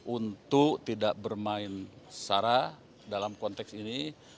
untuk tidak bermain sara dalam konteks ini